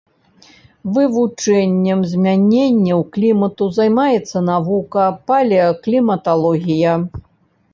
Вывучэннем змяненняў клімату займаецца навука палеакліматалогія.